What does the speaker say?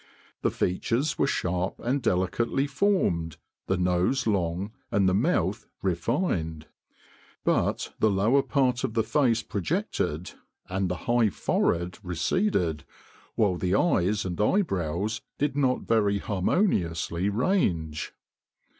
The features were sharp and delicately formed, the nose long, and the mouth refined; but the lower part of the face projected, and the high forehead receded, while the eyes and eyebrows did not very harmoniously range."